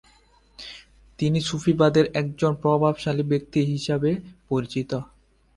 তিনি সুফিবাদের একজন প্রভাবশালী ব্যক্তি হিসাবে পরিচিত।